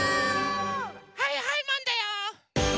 はいはいマンだよ！